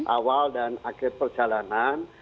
awal dan akhir perjalanan